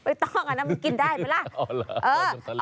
ต้องอันนั้นมันกินได้ไหมล่ะ